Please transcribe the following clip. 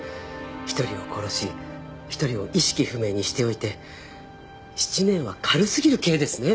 １人を殺し１人を意識不明にしておいて７年は軽すぎる刑ですね